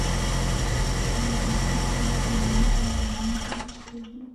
نارسمي یا سیمه ییزې علامې هم شته دي.